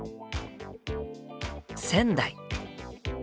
仙台。